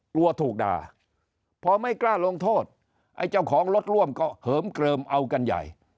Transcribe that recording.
กลัวถูกด่าพอไม่กล้าลงโทษไอ้เจ้าของรถร่วมก็เหิมเกลิมเอากันใหญ่